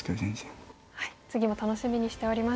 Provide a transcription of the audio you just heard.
次も楽しみにしております。